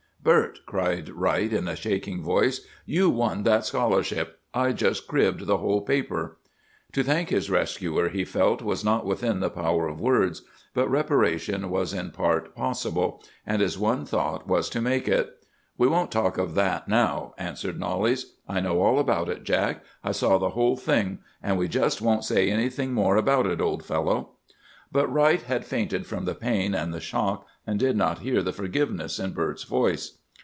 "'Bert,' cried Wright, in a shaking voice, 'you won that scholarship! I just cribbed the whole paper!' "To thank his rescuer, he felt, was not within the power of words; but reparation was in part possible, and his one thought was to make it. "'We won't talk of that now,' answered Knollys. 'I know all about it, Jack! I saw the whole thing; and we just won't say anything more about it, old fellow!' "But Wright had fainted from the pain and the shock, and did not hear the forgiveness in Bert's voice.